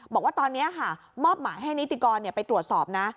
บอกว่าตอนนี้ค่ะมอบหมายให้นิติกรไปตรวจสอบนะ